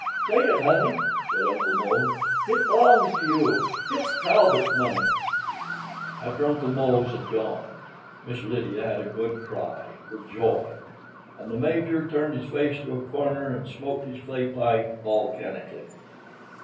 "Take it, honey," said Uncle Mose. "Hit belongs to you. Hit's Talbot money." After Uncle Mose had gone, Miss Lydia had a good cry— for joy; and the Major turned his face to a corner, and smoked his clay pipe volcanically.